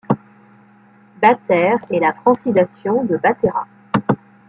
Batère est la francisation de Batera.